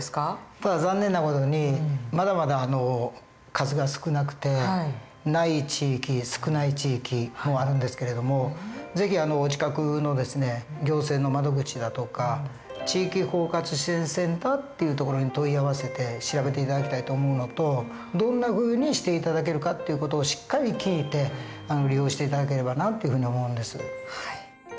ただ残念な事にまだまだ数が少なくてない地域少ない地域もあるんですけれども是非お近くの行政の窓口だとか地域包括支援センターっていうところに問い合わせて調べて頂きたいと思うのとどんなふうにして頂けるかっていう事をしっかり聞いて利用して頂ければなっていうふうに思うんです。